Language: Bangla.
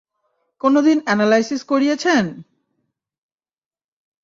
কোনোদিন অ্যানালাইসিস করিয়েছেন?